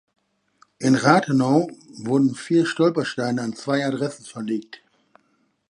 In Rathenow wurden vier Stolpersteine an zwei Adressen verlegt.